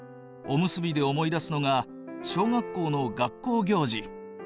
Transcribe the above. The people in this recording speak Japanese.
おむすびで思い出すのが小学校の学校行事。